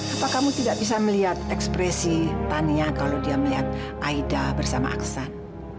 apa kamu tidak bisa melihat ekspresi tania kalau dia melihat aida bersama aksan